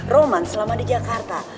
roman selama di jakarta